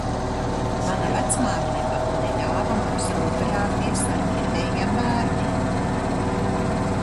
Mana vecmāmiņa pat neļāva mums rotaļāties ar vietējiem bērniem.